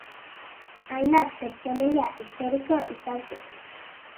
Hainbat pertsonaia historiko izan zuten.